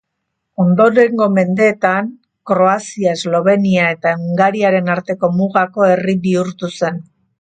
Ondorengo mendeetan Kroazia-Eslavonia eta Hungariaren arteko mugako herri bihurtu zen.